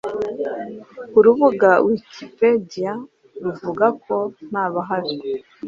Urubuga Wikipedia ruvuga ko ntabahari